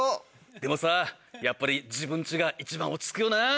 でもさぁやっぱり自分家が一番落ち着くよなぁ！